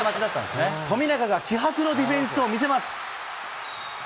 富永が気迫のディフェンスを見せます。